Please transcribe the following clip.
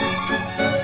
ya udah mbak